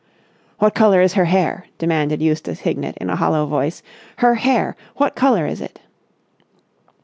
"What colour is her hair?" demanded Eustace Hignett in a hollow voice. "Her hair! What colour is it?"